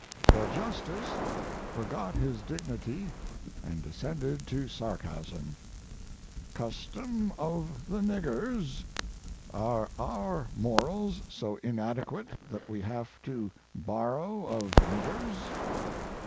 ] The justice forgot his dignity and descended to sarcasm. "Custom of the niggers! Are our morals so inadequate that we have to borrow of niggers?"